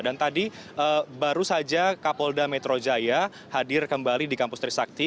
dan tadi baru saja kapolda metro jaya hadir kembali di kampus trisakti